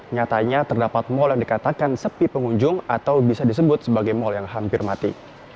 nyatanya terdapat mal yang dikatakan sepi pengunjung atau bisa disebut sebagai mal yang hampir mati